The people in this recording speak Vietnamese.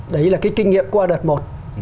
đấy là cái kinh nghiệm qua đợt một